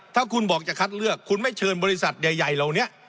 ถ้าคุณบอกจะคัดเลือกคุณไม่เชิญบริษัทใหญ่เหล่านี้